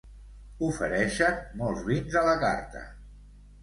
Ofereixen molts vins a la carta.